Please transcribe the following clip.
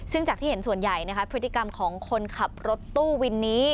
ซึ่งจากที่เห็นส่วนใหญ่นะคะพฤติกรรมของคนขับรถตู้วินนี้